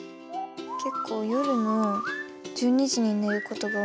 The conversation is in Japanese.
結構夜の１２時に寝ることが多いので。